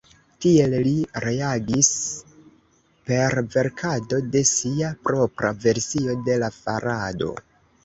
Tiel li reagis per verkado de sia propra versio de la farado.